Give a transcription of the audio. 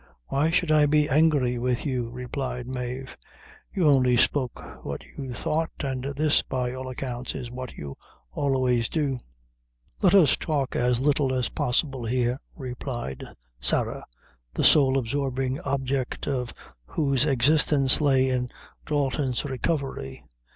"Why should I be angry with you?" replied Mave, "you only spoke what you thought, an' this, by all accounts, is what you always do." "Let us talk as little as possible here," replied Sarah, the sole absorbing object of whose existence lay in Dalton's recovery.